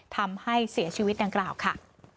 ทำให้เสียชีวิตดังกล่าวค่ะ